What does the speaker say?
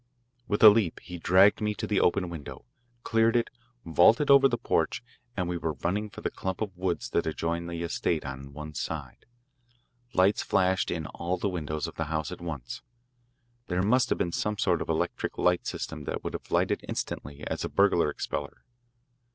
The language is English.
With a leap he dragged me to the open window, cleared it, vaulted over the porch, and we were running for the clump of woods that adjoined the estate on one side. Lights flashed in all the windows of the house at once. There must have been some sort of electric light system that could be lighted instantly as a "burglar expeller."